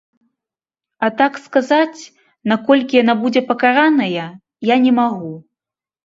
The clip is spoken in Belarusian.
А так сказаць, на колькі яна будзе пакараная, я не магу.